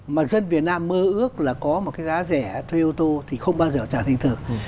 mà dân việt nam mơ ước là có một cái giá rẻ thuê ô tô thì không bao giờ trả thành thực